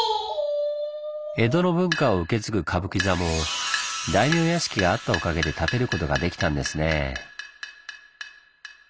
江戸の文化を受け継ぐ歌舞伎座も大名屋敷があったおかげで建てることができたんですねぇ。